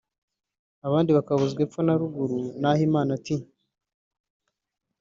abandi bakabuzwa epfo na ruguru (Nahimana T